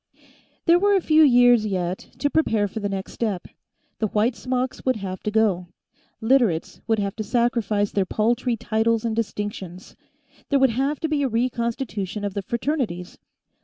There were a few years, yet, to prepare for the next step. The white smocks would have to go; Literates would have to sacrifice their paltry titles and distinctions. There would have to be a re constitution of the Fraternities.